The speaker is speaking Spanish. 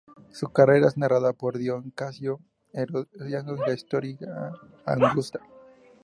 Su carrera es narrada por Dion Casio, Herodiano y la Historia Augusta.